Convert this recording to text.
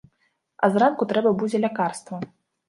А зранку трэба будзе лякарства.